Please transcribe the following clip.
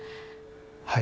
はい。